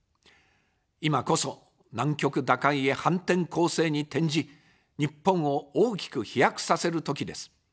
今こそ、難局打開へ反転攻勢に転じ、日本を大きく飛躍させる時です。